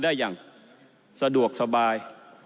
ได้อย่างสะดวกสบาย